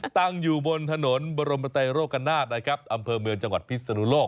ตั้งอยู่บนถนนบรมไตโรกนาศนะครับอำเภอเมืองจังหวัดพิศนุโลก